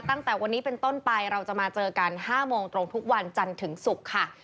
ตั้งแต่วันนี้เป็นต้นไปเราจะมาเจอกัน๕โมงตรงทุกวันจันทร์ถึงศุกร์ค่ะ